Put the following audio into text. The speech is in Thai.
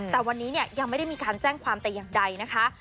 แต่วันนี้เนี่ยยังไม่ได้มีการแจ้งความแต่อย่างใดนะคะ